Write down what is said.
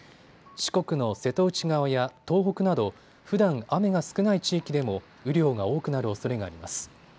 四国の瀬戸内側や東北などふだん雨が少ない地域でも雨量が多くなるおそれがあります。